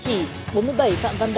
sinh năm một nghìn chín trăm năm mươi bảy